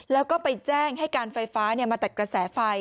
แล้วก็ไปแจ้งให้การไฟฟ้ามาตัดกระแสไฟ